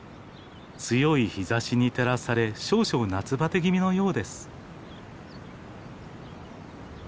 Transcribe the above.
強い日ざしに照らされ少々夏バテ気味のようです。